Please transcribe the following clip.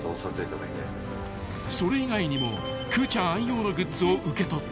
［それ以外にもくーちゃん愛用のグッズを受け取った］